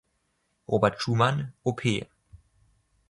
Robert Schumann: op.